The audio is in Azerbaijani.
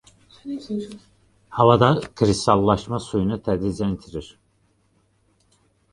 Havada kristallaşma suyunu tədricən itirir.